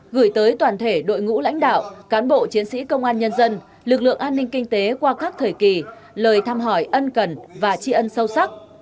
gửi tới toàn thể đội ngũ lãnh đạo cán bộ chiến sĩ công an nhân dân lực lượng an ninh kinh tế qua các thời kỳ lời thăm hỏi ân cần và tri ân sâu sắc